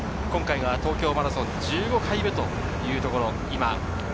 今回が東京マラソン１５回目というところ。